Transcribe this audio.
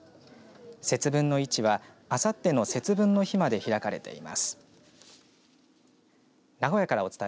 節分の市はあさっての節分の日まで開かれています。